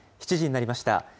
７時になりました。